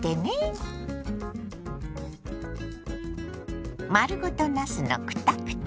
丸ごとなすのクタクタ煮。